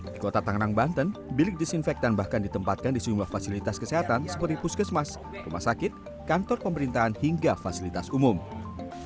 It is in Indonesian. di kota tangerang banten bilik disinfektan bahkan ditempatkan di sejumlah fasilitas kesehatan seperti puskesmas rumah sakit kantor pemerintahan hingga fasilitas umum